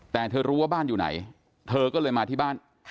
แต่เธอรู้ว่าบ้านอยู่ไหนเธอก็เลยมาที่บ้าน